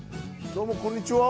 どうもこんにちは。